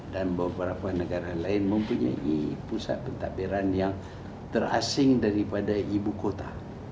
dan beberapa negara lain mempunyai pusat pentadbiran yang terasing daripada ibu kota